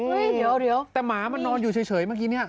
อืมเดี๋ยวเดี๋ยวแต่หมามันนอนอยู่เฉยเฉยเมื่อกี้เนี้ย